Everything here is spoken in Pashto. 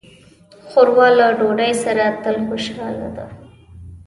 ښوروا له ډوډۍ سره تل خوشاله ده.